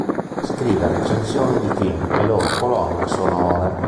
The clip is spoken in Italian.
Scrive recensioni di film e loro colonne sonore.